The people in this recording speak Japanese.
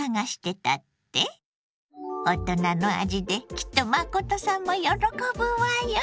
大人の味できっと真さんも喜ぶわよ。